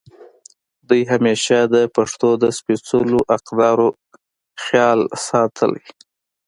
دوي همېشه د پښتو د سپېځلو اقدارو خيال ساتلے